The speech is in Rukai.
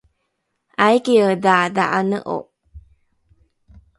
aikiedha dha’ane’o?